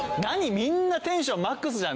みんなテンションマックスじゃん。